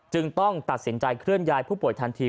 ต้องตัดสินใจเคลื่อนย้ายผู้ป่วยทันที